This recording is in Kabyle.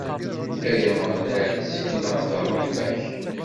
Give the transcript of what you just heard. Ay Ameɣlal, ssken-aɣ-d ṛṛeḥma-k!